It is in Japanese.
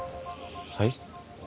はい？